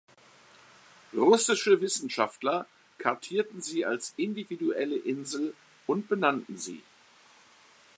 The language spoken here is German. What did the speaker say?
Russische Wissenschaftler kartierten sie als individuelle Insel und benannten sie.